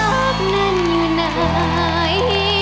โอ้ความรักนั้นอยู่ในใบ